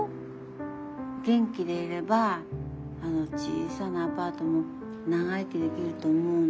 元気でいればあの小さなアパートも長生きできると思うの。